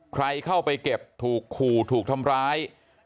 ใครเข้าไปเก็บถูกขู่ถูกทำร้าย